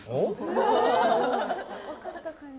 わかった感じ